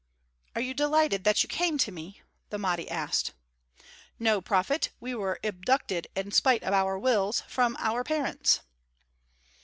"Are you delighted that you came to me?" the Mahdi asked. "No, prophet. We were abducted in spite of our wills from our parents."